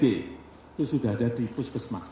itu sudah ada di puskesmas